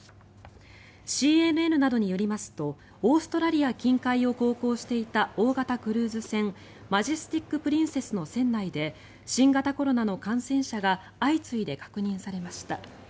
ＣＮＮなどによりますとオーストラリア近海を航行していた大型クルーズ船「マジェスティック・プリンセス」の船内で新型コロナの感染者が相次いで確認されました。